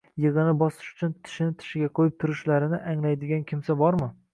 yig'ini bosish uchun tishini tishiga ko'yib turishlarini anglaydigan kimsa bormi?